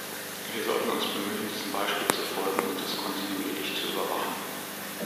Wir sollten uns bemühen, diesem Beispiel zu folgen und es kontinuierlich zu überwachen.